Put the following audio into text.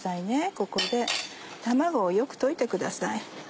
ここで卵をよく溶いてください。